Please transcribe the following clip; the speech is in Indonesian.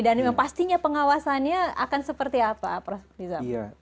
dan pastinya pengawasannya akan seperti apa prof nizam